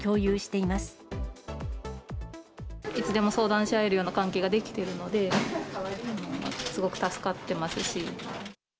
いつでも相談し合えるような関係ができているので、すごく助かってますし。